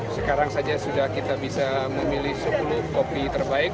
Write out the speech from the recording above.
sekarang saja sudah kita bisa memilih sepuluh kopi terbaik